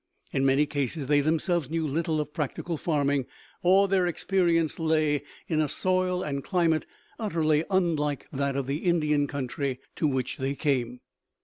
In many cases they themselves knew little of practical farming, or their experience lay in a soil and climate utterly unlike that of the Indian country to which they came.